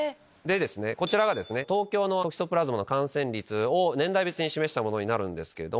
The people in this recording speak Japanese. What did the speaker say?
こちらが東京のトキソプラズマ感染率を年代別に示したものになるんですけど。